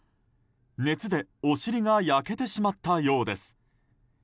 熱で、お尻が焼けてしまったようです。